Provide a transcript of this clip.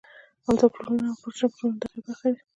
عمده پلورنه او پرچون پلورنه د هغې برخې دي